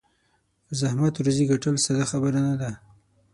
په زحمت روزي ګټل ساده خبره نه ده.